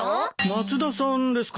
松田さんですか？